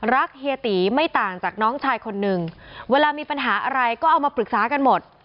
เฮียตีไม่ต่างจากน้องชายคนนึงเวลามีปัญหาอะไรก็เอามาปรึกษากันหมด